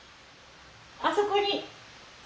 あそこに！